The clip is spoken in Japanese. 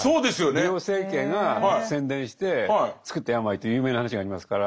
美容整形が宣伝してつくった病という有名な話がありますから。